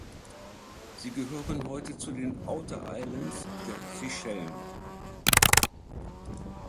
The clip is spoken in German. Sie gehören heute zu den Outer Islands der Seychellen.